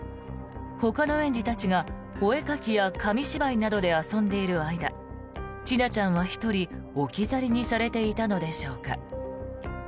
ほかの園児たちがお絵描きや紙芝居などで遊んでいる間千奈ちゃんは１人、置き去りにされていたのでしょうか。